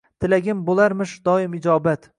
Tilagim bo’larmish doim ijobat.